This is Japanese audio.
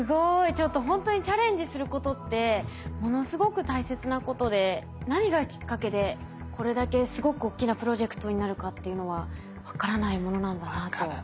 ちょっとほんとにチャレンジすることってものすごく大切なことで何がきっかけでこれだけすごく大きなプロジェクトになるかっていうのは分からないものなんだなと思いました。